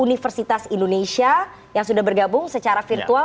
universitas indonesia yang sudah bergabung secara virtual